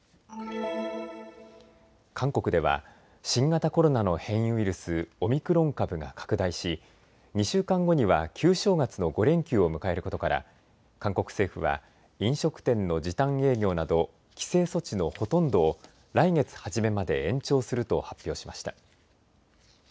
韓国では新型コロナの変異ウイルス、オミクロン株が拡大し２週間後には旧正月の５連休を迎えることから韓国政府は飲食店の時短営業など規制措置のほとんどを来月初めまで延長すると発表しました。